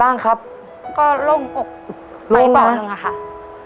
ภายในเวลา๓นาที